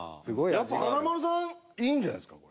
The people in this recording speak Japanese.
やっぱ華丸さんいいんじゃないっすか？